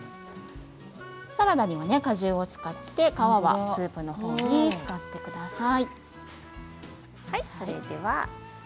サラダに果汁を使って皮はスープのほうに使ってください。